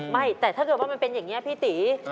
ไม่แต่ถ้าเกิดว่ามันเป็นอย่างนี้พี่ตี